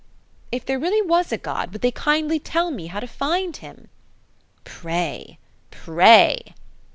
If there really was a God, would they kindly tell me how to find Him? Pray! pray!